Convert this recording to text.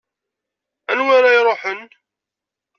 Anwa ara iruḥen?